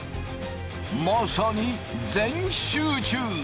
まさに全集中！